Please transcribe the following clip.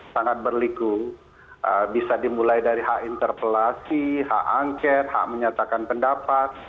sangat berliku bisa dimulai dari hak interpelasi hak angket hak menyatakan pendapat